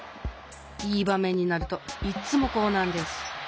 いいばめんになるといっつもこうなんです。